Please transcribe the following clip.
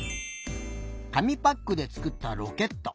紙パックでつくったロケット。